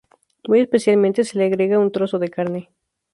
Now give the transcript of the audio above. Muy especialmente se le agrega un trozo de carne.